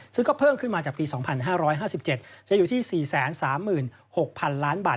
ซึ่งก็เพิ่มขึ้นมาจากปี๒๕๕๗จะอยู่ที่๔๓๖๐๐๐ล้านบาท